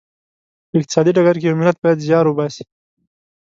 په اقتصادي ډګر کې یو ملت باید زیار وباسي.